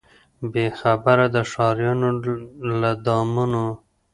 بې خبره د ښاریانو له دامونو